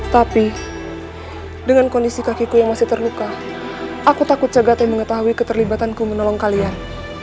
tapi dengan kondisi kakiku yang masih terluka aku takut cagate mengetahui keterlibatanku menolong kalian